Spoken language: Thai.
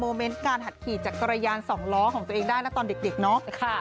เมนต์การหัดขี่จักรยานสองล้อของตัวเองได้นะตอนเด็กเนาะ